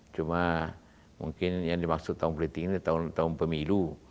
cuma mungkin yang dimaksud tahun politik ini tahun tahun pemilu